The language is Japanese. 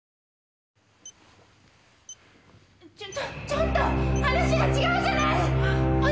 ちょっと話が違うじゃない！